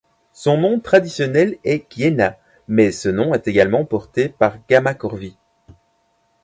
Son nom traditionnel est Gienah, mais ce nom est également porté par Gamma Corvi.